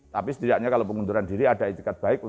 tapi setidaknya kalau pengunduran diri ada etikat baik